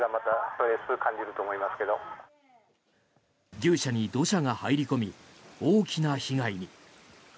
牛舎に土砂が入り込み大きな被害に。